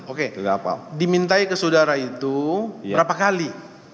oke dimintai ke saudara itu berapa kali